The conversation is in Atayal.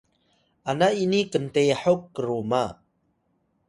ana ini kntehok kruma